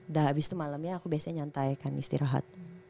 dah abis itu malemnya aku biasanya nyantai kan istirahat